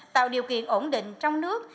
tạo điều kiện ổn định trong nước